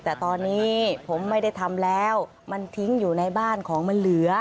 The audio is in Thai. แต่ตอนนี้ผมไม่ได้ทำแล้วมันทิ้งอยู่ในบ้านของมันเหลือ